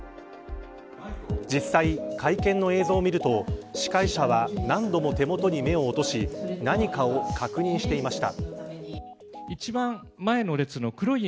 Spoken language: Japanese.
実際、会見の映像を見ると司会者は何度も手元に目を落とし何かを確認していました。